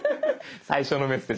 最初のメッセージ